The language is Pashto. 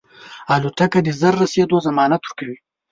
الوتکه د ژر رسېدو ضمانت ورکوي.